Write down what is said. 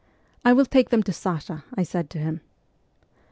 ' I will take them to Sasha,' I said to him.